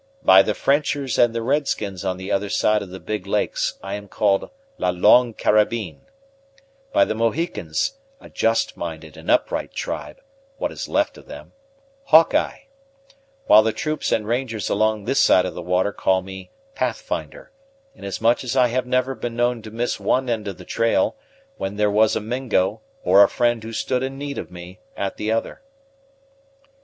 By the Frenchers and the red skins on the other side of the Big Lakes, I am called La Longue Carabine; by the Mohicans, a just minded and upright tribe, what is left of them, Hawk Eye; while the troops and rangers along this side of the water call me Pathfinder, inasmuch as I have never been known to miss one end of the trail, when there was a Mingo, or a friend who stood in need of me, at the other."